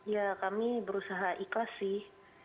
ya kami berusaha ikhlas sih